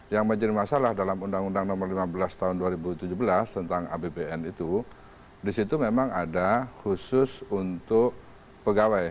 yang menjadi masalah dalam undang undang nomor lima belas tahun dua ribu tujuh belas tentang apbn itu disitu memang ada khusus untuk pegawai